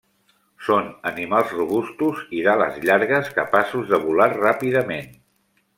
Són animals robustos i d'ales llargues, capaços de volar ràpidament.